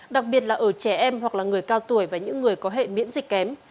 đặc biệt là ở trẻ em hoặc là người cao tuổi và những người có hệ miễn dịch kém